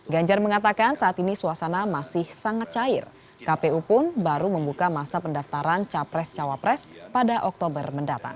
ganjar mengatakan saat ini suasana masih sangat cair kpu pun baru membuka masa pendaftaran capres cawapres pada oktober mendatang